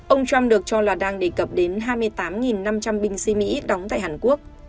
ông trump được cho là đang đề cập đến hai mươi tám năm trăm linh binh sĩ mỹ đóng tại hàn quốc